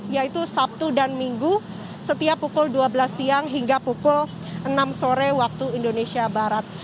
yaitu sabtu dan minggu setiap pukul dua belas siang hingga pukul enam sore waktu indonesia barat